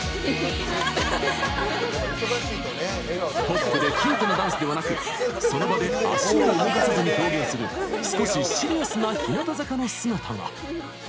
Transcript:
ポップでキュートなダンスではなくその場で足を動かさずに表現する少しシリアスな日向坂の姿が。